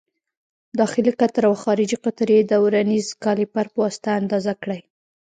داخلي قطر او خارجي قطر یې د ورنیز کالیپر په واسطه اندازه کړئ.